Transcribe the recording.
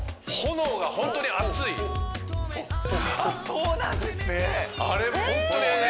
あっそうなんですね